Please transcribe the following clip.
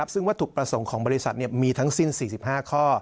ซึ่งวัตถุประสงค์ของบริษัทมีทั้งสิ้น๔๕ข้อ